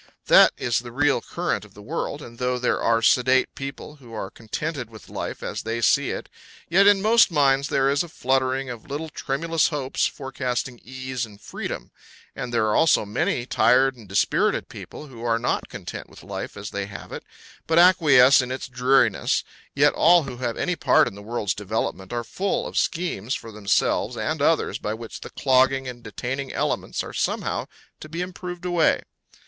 That is the real current of the world, and though there are sedate people who are contented with life as they see it, yet in most minds there is a fluttering of little tremulous hopes forecasting ease and freedom; and there are also many tired and dispirited people who are not content with life as they have it, but acquiesce in its dreariness; yet all who have any part in the world's development are full of schemes for themselves and others by which the clogging and detaining elements are somehow to be improved away.